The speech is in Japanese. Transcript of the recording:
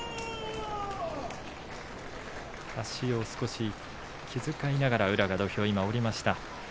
足を少し気遣いながら宇良が今、土俵を下りました。